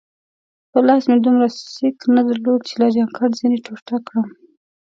په لاس مې دومره سېک نه درلود چي له جانکټ ځینې ټوټه کړم.